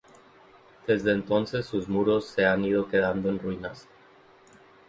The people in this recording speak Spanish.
Desde entonces sus muros se han ido quedando en ruinas.